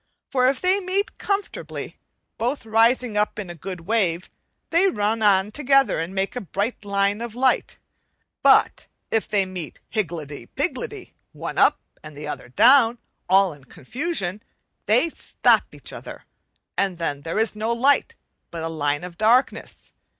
Fir if they meet comfortably, both rising up in a good wave, they run on together and make a bright line of light; but if they meet higgledy piggledy, one up and the other down, all in confusion, they stop each other, and then there is no light but a line of darkness.